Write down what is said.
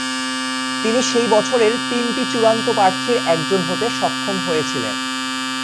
তিনি সেই বছরের তিনটি চূড়ান্ত প্রার্থীর একজন হতে সক্ষম হয়েছিলেন।